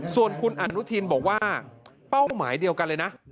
ส่วนคุณอนุทินบอกว่าเป้าหมายเดียวกันเลยนะ